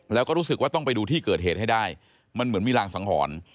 แล้วก็รู้สึกว่าต้องไปดูที่เกิดเหตุให้ได้มันเหมือนมีรางสังหรณ์